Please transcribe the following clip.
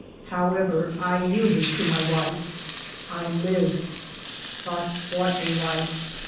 However, I yielded to my wife. I lived ! But what a life